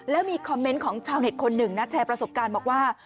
แล้วมีคอมเมนต์ของชาวเน็ตคนหนึ่งนะแชร์ประสบการณ์บอกว่า